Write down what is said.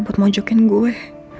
buat mojokin gue